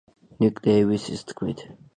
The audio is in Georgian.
ნიკ დეივისის თქმით.